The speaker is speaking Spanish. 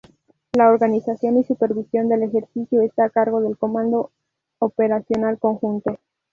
La organización y supervisión del ejercicio está a cargo del Comando Operacional Conjunto.